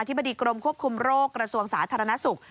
บดีกรมควบคุมโรคกระทรวงสาธารณสุข